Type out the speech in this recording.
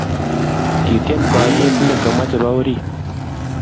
kitiem kanetindet komwa chebo oriit